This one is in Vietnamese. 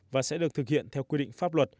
và sẽ được thực hiện theo quy định pháp luật